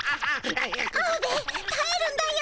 アオベエたえるんだよ。